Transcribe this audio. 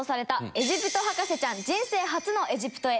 「エジプト博士ちゃん人生初のエジプトへ！」